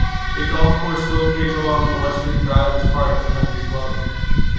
A golf course located along the western drive is part of the country club.